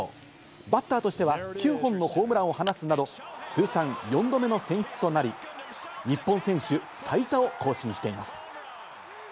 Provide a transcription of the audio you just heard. バッターとしては９本のホームランを放つなど、通算４度目の選出となり、日本選手最多を更新しています。